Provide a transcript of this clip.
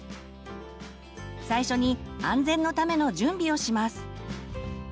最初に安全のための準備をします。